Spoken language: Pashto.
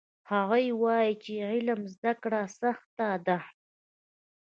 هغوی وایي چې علم زده کړه سخته ده